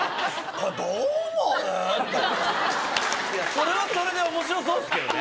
それはそれで面白そうっすけどね。